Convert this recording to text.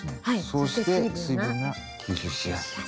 そうして水分が吸収しやすい。